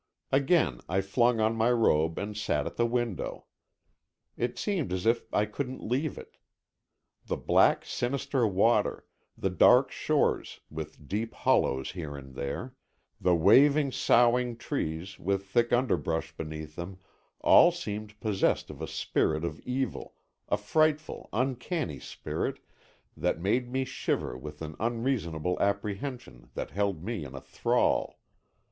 Again I flung on my robe and sat at the window. It seemed as if I couldn't leave it. The black, sinister water, the dark shores, with deep hollows here and there, the waving, soughing trees, with thick underbrush beneath them, all seemed possessed of a spirit of evil, a frightful, uncanny spirit, that made me shiver with an unreasonable apprehension, that held me in thrall.